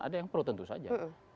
ada yang pro tentu saja